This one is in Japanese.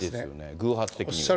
偶発的には。